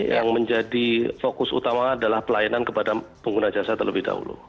yang menjadi fokus utama adalah pelayanan kepada pengguna jasa terlebih dahulu